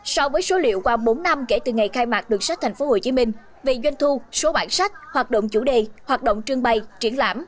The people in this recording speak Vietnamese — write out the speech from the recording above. so với số liệu qua bốn năm kể từ ngày khai mạc đường sách tp hcm về doanh thu số bản sách hoạt động chủ đề hoạt động trưng bày triển lãm